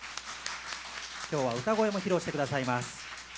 今日は歌声も披露してくださいます。